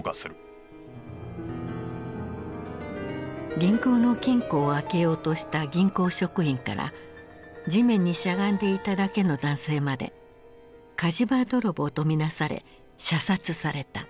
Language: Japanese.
銀行の金庫を開けようとした銀行職員から地面にしゃがんでいただけの男性まで火事場泥棒と見なされ射殺された。